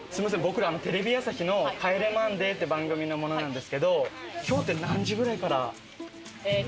僕らテレビ朝日の『帰れマンデー』って番組の者なんですけど今日って何時ぐらいから？